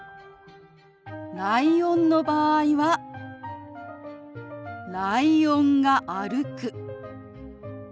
ライオンの場合は「ライオンが歩く」。